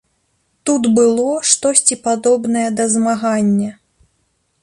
Тут было штосьці падобнае да змагання.